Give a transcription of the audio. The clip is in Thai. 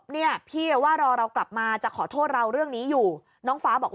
เนี่ยพี่ว่ารอเรากลับมาจะขอโทษเราเรื่องนี้อยู่น้องฟ้าบอกว่า